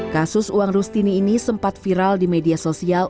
kasus uang rustini ini sempat viral di media sosial